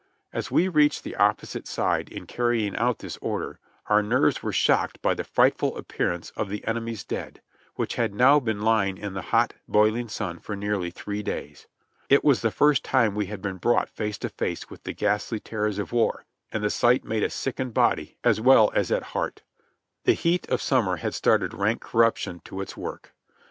As we reached the opposite side in carrying out this order, our nerves were shocked by the frightful appearance of the enemy's dead, which had now been lying in the hot, broiling sun for nearly three days. It was the first time we had been brought face to face with the ghastly terrors of war, and the sight made us sick in body, as well as at heart. The heat of summer had started rank corruption to its work.